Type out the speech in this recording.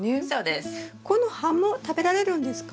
この葉も食べられるんですか？